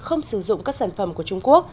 không sử dụng các sản phẩm của trung quốc